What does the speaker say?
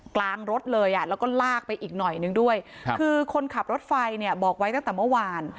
กลางรถเลยอ่ะแล้วก็ลากไปอีกหน่อยนึงด้วยครับคือคนขับรถไฟเนี่ยบอกไว้ตั้งแต่เมื่อวาน